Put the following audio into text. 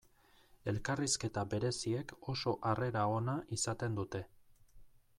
Elkarrizketa bereziek oso harrera ona izaten dute.